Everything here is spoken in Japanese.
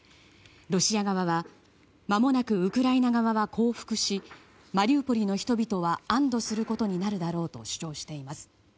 ロシア側はまもなくウクライナ側は降伏しマリウポリの人々は安堵することになるだろうと主張しています。